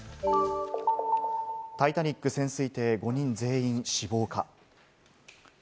タイタニック潜水艇、５人全員死亡か。